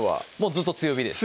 ずっと強火です